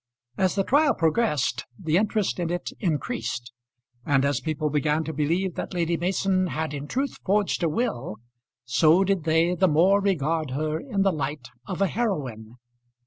As the trial progressed the interest in it increased, and as people began to believe that Lady Mason had in truth forged a will, so did they the more regard her in the light of a heroine.